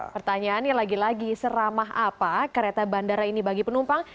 pertanyaannya lagi lagi seramah apa kereta bandara ini bagi penumpang